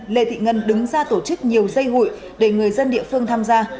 lê thị ngân đứng ra tổ chức nhiều dây hụi để người dân địa phương tham gia